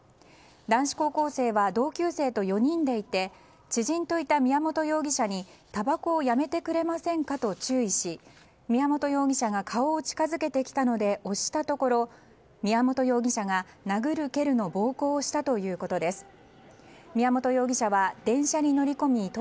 男子高校生は同級生と４人でいて知人といた宮本容疑者にたばこをやめてくれませんかと注意し宮本容疑者が顔を近づけてきたので押したところ宮本容疑者が殴る蹴るの暴行をしたということです。